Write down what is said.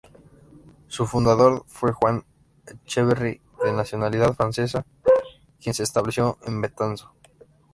Su fundador fue Juan Etcheverry, de nacionalidad francesa, quien se estableció en Betanzos.